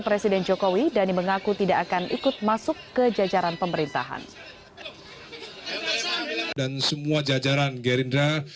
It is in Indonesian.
presiden jokowi dhani mengaku tidak akan ikut masuk ke jajaran pemerintahan dan semua jajaran gerindra